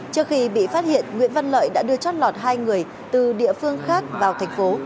trước khi bị phát hiện nguyễn văn lợi đã đưa chót lọt hai người từ địa phương khác vào thành phố